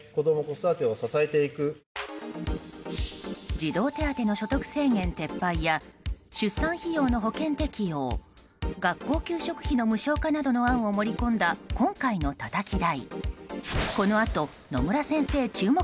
児童手当の所得制限撤廃や出産費用の保険適用学校給食費の無償化などの案を盛り込んだ今回のたたき台。